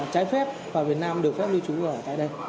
trái phép vào việt nam được phép lưu trú ở tại đây